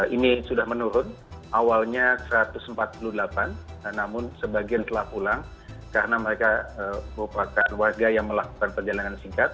ini sudah menurun awalnya satu ratus empat puluh delapan namun sebagian telah pulang karena mereka merupakan warga yang melakukan perjalanan singkat